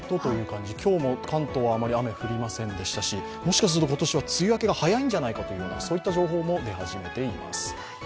今日も関東はあまり雨が降りませんでしたしもしかすると今年は梅雨明けが早いんじゃないかと、そういった情報も出始めています。